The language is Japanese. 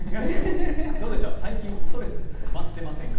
どうでしょう、最近、ストレスたまってませんか？